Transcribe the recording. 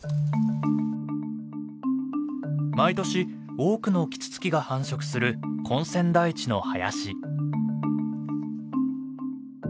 毎年多くのキツツキが繁殖する根釧台地の林。